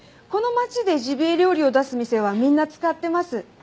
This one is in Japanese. この町でジビエ料理を出す店はみんな使ってます。